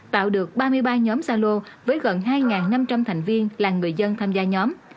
tạo được ba mươi ba nhóm gia lô với gần hai năm trăm linh thành viên là người dân tham gia nhóm